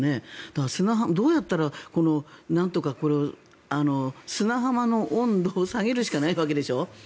だから、どうやったらなんとかこれを砂浜の温度を下げるしかないわけでしょ。